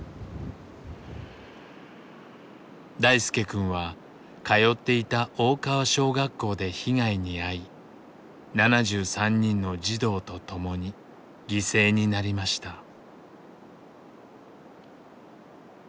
大輔くんは通っていた大川小学校で被害に遭い７３人の児童と共に犠牲になりました。